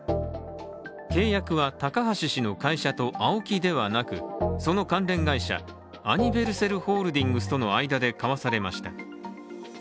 契約は高橋氏の会社とＡＯＫＩではなくその関連会社アニヴェルセルＨＯＬＤＩＮＧＳとの間で交わされました。